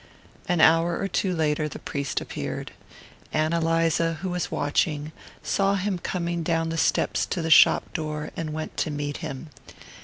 An hour or two later the priest appeared. Ann Eliza, who was watching, saw him coming down the steps to the shop door and went to meet him.